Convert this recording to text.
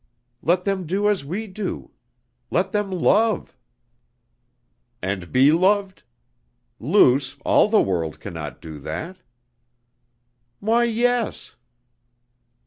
"Let them do as we do! Let them love!" "And be loved? Luce, all the world can not do that." "Why, yes!"